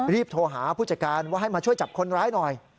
โทรหาผู้จัดการว่าให้มาช่วยจับคนร้ายหน่อย